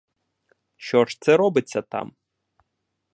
Що ж це робиться там?!